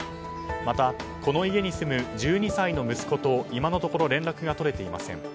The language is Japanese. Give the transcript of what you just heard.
また、この家に住む１２歳の息子と今のところ連絡が取れていません。